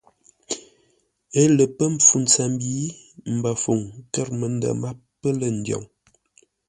Ə́ lə pə́ mpfu ntsəmbi, Mbəfəuŋ kə̂r məndə̂ máp pə́ lə̂ ndyoŋ.